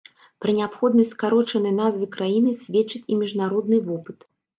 Пра неабходнасць скарочанай назвы краіны сведчыць і міжнародны вопыт.